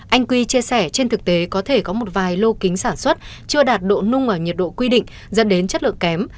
anh quy chia sẻ trên thực tế có thể có một vài lô kính sản xuất chưa đạt độ nung ở nhiệt độ quy định dẫn đến chất lượng kém